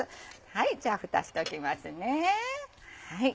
じゃあふたをしときますね。